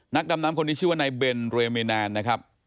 ดำน้ำคนนี้ชื่อว่านายเบนเรเมแนนนะครับ